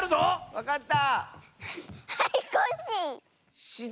わかった！